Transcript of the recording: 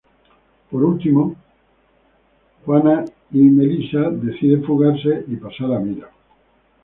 Por último, Sagi y Milly decide fugarse y pasar a Mira.